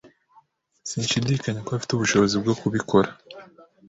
Sinshidikanya ko afite ubushobozi bwo kubikora.